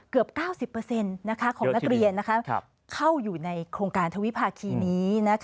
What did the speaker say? เกือบ๙๐ของนักเรียนเข้าอยู่ในโครงการทวิภาคีนี้